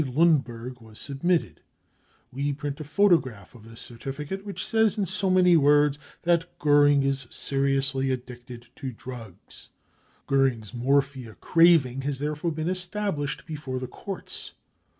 Lundberg was submitted ; we print a photograph of this certificate, which says in so many words that Goering is seriously addicted to drugs. Goering's morphia craving has therefore been established before the courts.